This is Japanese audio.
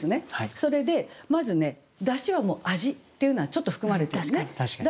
それでまずね「出汁」はもう「味」っていうのはちょっと含まれてるね。